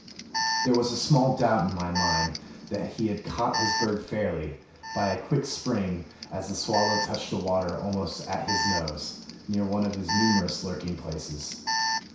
There was small doubt in my mind that he had caught his bird fairly, by a quick spring as the swallow touched the water almost at his nose, near one of his numerous lurking places.